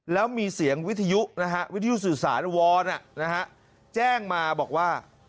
แล้วมีเสียงวิทยุนะฮะวิทยุสื่อสารวอนแจ้งมาบอกว่า